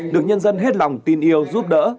được nhân dân hết lòng tin yêu giúp đỡ